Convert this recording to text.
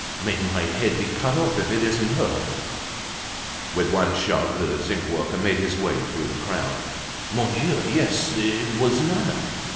"May my head be cut off if it isn't her." With one shove the zinc worker made his way through the crowd. Mon Dieu! yes, it was Nana!